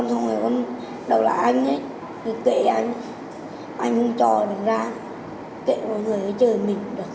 không có ai thích em